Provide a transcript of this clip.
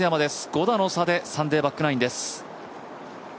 ５打の差でサンデーバックナインです。